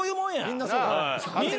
みんなそうや。